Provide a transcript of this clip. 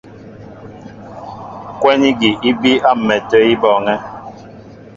Kwɛ́n igi í bííy á m̀mɛtə̂ í bɔɔŋɛ́.